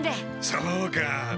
そうか。